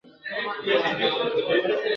مرګه مه را ځه وختي دی، څو پیالې لا تشومه !.